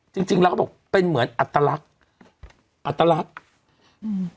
จริงแล้วเขาบอกเป็นเหมือนอัตลักษณ์อัตลักษณ์